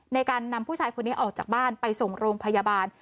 ในการนำผู้ชายคนนี้ออกจากบ้านไปส่งโรงพยาบาล